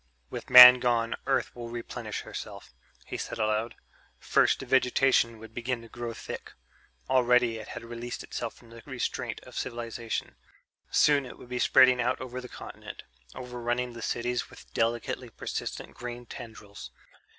"With man gone, Earth will replenish herself," he said aloud. First the vegetation would begin to grow thick. Already it had released itself from the restraint of cultivation; soon it would be spreading out over the continent, overrunning the cities with delicately persistent green tendrils.